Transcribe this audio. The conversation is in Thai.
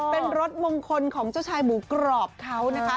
เป็นรสมงคลของเจ้าชายหมูกรอบเขานะคะ